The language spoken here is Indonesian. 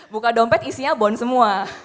buka dompet isinya bond semua